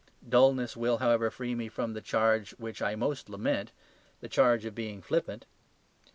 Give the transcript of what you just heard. Dulness will, however, free me from the charge which I most lament; the charge of being flippant.